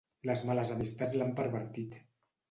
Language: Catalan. Les males amistats l'han pervertit.